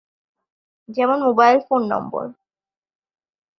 যেমন মোবাইল ফোনম্বর